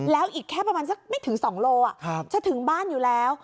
แล้วอีกแค่ประมาณสักไม่ถึง๒โลจะถึงบ้านอยู่แล้ว